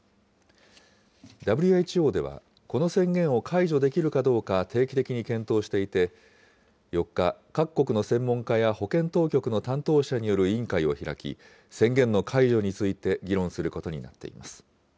ＷＨＯでは、この宣言を解除できるかどうか定期的に検討していて、４日、各国の専門家や保健当局の担当者による委員会を開き、宣言の解除について議論することになっています。